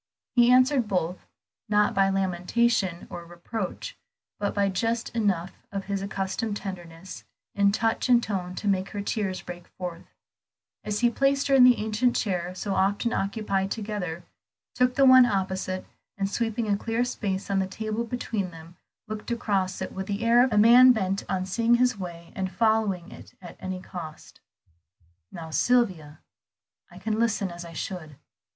He answered both, not by lamentation or reproach, but by just enough of his accustomed tenderness in touch and tone to make her tears break forth, as he placed her in the ancient chair so often occupied together, took the one opposite, and sweeping a clear space on the table between them, looked across it with the air of a man bent on seeing his way and following it at any cost. "Now Sylvia, I can listen as I should."